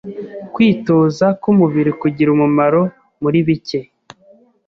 Kwitoza k’umubiri kugira umumaro muri bike